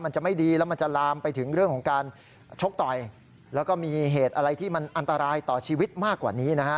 มันจะไม่ดีแล้วมันจะลามไปถึงเรื่องของการชกต่อยแล้วก็มีเหตุอะไรที่มันอันตรายต่อชีวิตมากกว่านี้นะฮะ